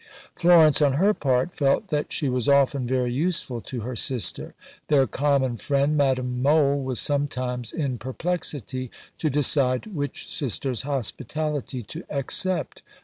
Florence, on her part, felt that she was often very useful to her sister. Their common friend, Madame Mohl, was sometimes in perplexity to decide which sister's hospitality to accept.